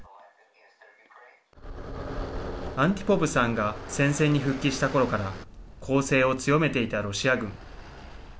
アンティポブさんが戦線に復帰したころから攻勢を強めていたロシア軍。